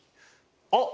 あっ！